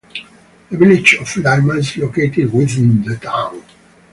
The village of Lima is located within the town.